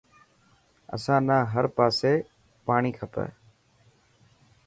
اسان نا هر پاسي پاڻي کپي.